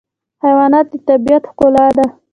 حیوانات د طبیعت ښکلا ده.